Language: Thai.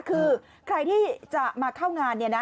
คือใครที่จะมาเข้างาน